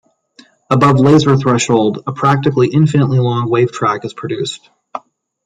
Above laser threshold, a practically infinitely long wave track is produced.